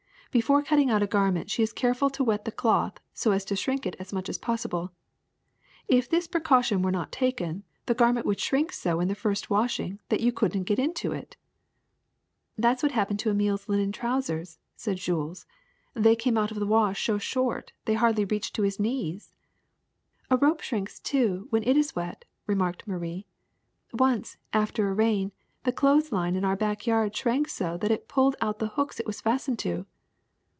Before cutting out a garment she is careful to wet the cloth so as to shrink it as much as possible. If this precaution were not taken, the garment would shrink so in the first washing that you could n't get into it." That is what happened to Emile's linen trous ers/' said Jules. "They came out of the wash so short they hardly reached to his knees." "A rope shrinks, too, when it is wet," remarked Marie. "Once, after a rain, the clothes line in our back yard shrank so that it pulled out the hooks it was fastened to."